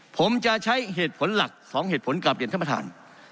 ผมจะใช้เหตุผลหลัก๒เหตุผลกลับเรียนท่านประธาน